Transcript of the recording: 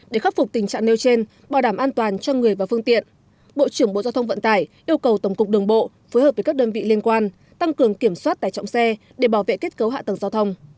để khắc phục tình trạng nêu trên bảo đảm an toàn cho người và phương tiện bộ trưởng bộ giao thông vận tải yêu cầu tổng cục đường bộ phối hợp với các đơn vị liên quan tăng cường kiểm soát tải trọng xe để bảo vệ kết cấu hạ tầng giao thông